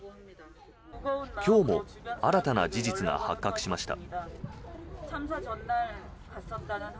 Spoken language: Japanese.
今日も新たな事実が発覚しました。